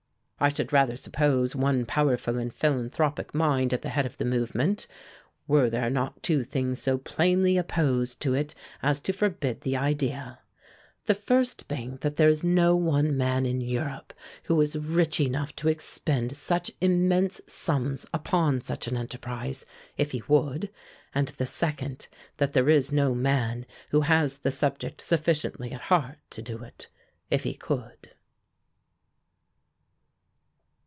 I should rather suppose one powerful and philanthropic mind at the head of the movement, were there not two things so plainly opposed to it as to forbid the idea the first being that there is no one man in Europe who is rich enough to expend such immense sums upon such an enterprise, if he would, and the second that there is no man who has the subject sufficiently at heart to do it, if he could."